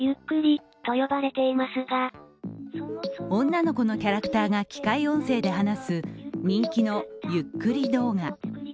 女の子のキャラクターが機械音声で話す人気のゆっくり動画。